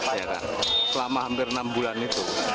selama hampir enam bulan itu